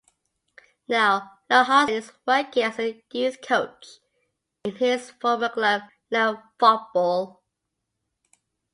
Now Leonhardsen is working as a youth coach in his former club Lyn Fotball.